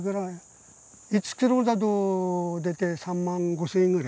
１ｋｇだと大体３万５，０００円ぐらい。